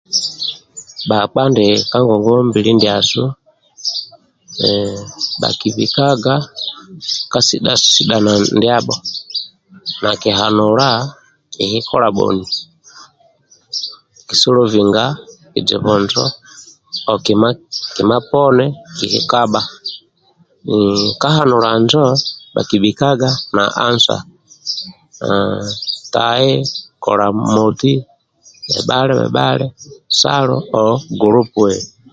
Bhakpa ka ngonguwa mbili ndiasu bhakibikaga ka sidha-sidhana ndiabho nakihanula Kiki kola bhoni ka solving bizibu injo kima poni ndikikikabha ka canula injo bhakibikaga na answer tai kola moti, bhebhali, bhesalo kedha group.